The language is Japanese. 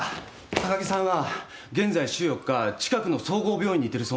高木さんは現在週４日近くの総合病院に行ってるそうなんです。